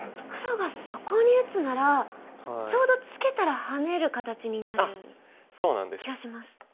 黒がそこに打つならちょうどツケたらハネる形になる気がします。